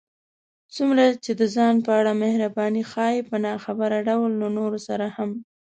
څومره چې د ځان په اړه محرباني ښيې، په ناخبره ډول له نورو سره هم